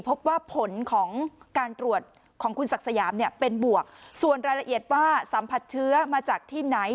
พบว่าผลของการตรวจของคุณศักดิ์สยามเนี่ยเป็นบวกส่วนรายละเอียดว่าสัมผัสเชื้อมาจากที่ไหน